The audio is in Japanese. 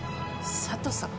佐都さん？